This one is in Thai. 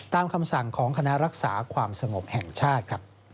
คำสั่งของคณะรักษาความสงบแห่งชาติ